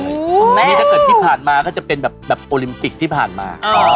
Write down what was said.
นี่ถ้าเกิดที่ผ่านมาก็จะเป็นแบบโอลิมปิกที่ผ่านมา